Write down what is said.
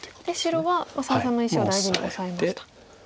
白は三々の石を大事にオサえました。